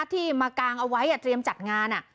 ที่มากางเอาไว้เตรียมจัดงาน